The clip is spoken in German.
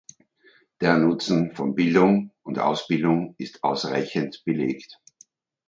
Der Nutzen von Bildung und Ausbildung ist ausreichend belegt.